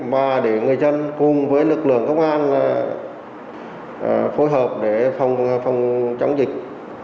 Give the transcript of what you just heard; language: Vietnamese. và để người dân cùng với lực lượng công an phối hợp để phòng chống dịch